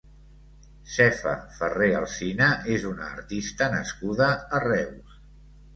Sefa Ferré Alsina és una artista nascuda a Reus.